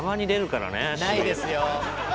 ないですよ。